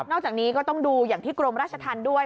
จากนี้ก็ต้องดูอย่างที่กรมราชธรรมด้วย